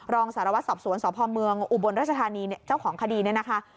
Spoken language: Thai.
รองสารวัตรสอบสวนสพเมืองอุบลราชธานีเจ้าของคดีเนี่ยนะคะ